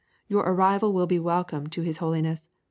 Your arrival will be welcome to his Holiness.